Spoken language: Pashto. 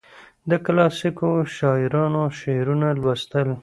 د کلاسیکو شاعرانو شعرونه لوستل.